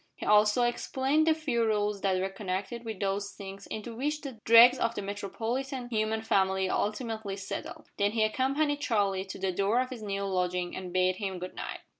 He also explained the few rules that were connected with those sinks into which the dregs of the metropolitan human family ultimately settle. Then he accompanied Charlie to the door of his new lodging and bade him good night.